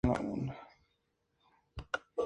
Tiene dos pisos de galerías.